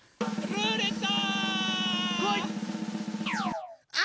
ルーレット！